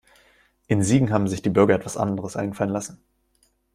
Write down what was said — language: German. In Siegen haben sich die Bürger etwas anderes einfallen lassen.